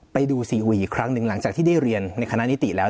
ไปดูซีอุยอีกครั้งหนึ่งหลังจากที่ได้เรียนในคณะนิติแล้ว